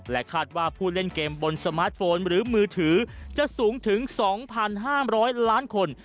คาดว่าผู้เล่นเกมบนสมาร์ทโฟนหรือมือถือจะสูงถึง๒๕๐๐ล้านคน